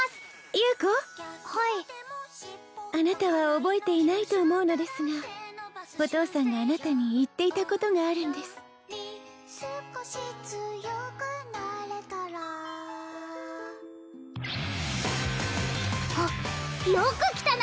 優子はいあなたは覚えていないと思うのですがお父さんがあなたに言っていたことがあるんですあっよく来たな